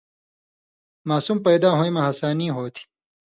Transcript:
ماسُم پیدا ہویں مہ ہسانی ہوتھی۔